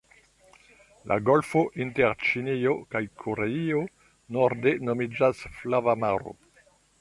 La golfo inter Ĉinio kaj Koreio norde nomiĝas Flava maro.